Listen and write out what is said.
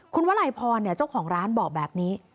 คุณหวะไหลพรเนี่ยเจ้าของร้านบอกแบบนี้